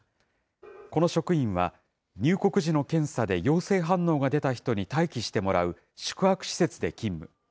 この職員は、入国時の検査で陽性反応が出た人に待機してもらう宿泊施設で勤務。